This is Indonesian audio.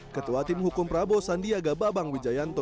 ketua tim hukum prabowo sandiaga babang wijayanto